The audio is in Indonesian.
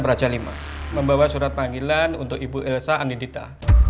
beraca lima membawa surat panggilan untuk ibu elsa andita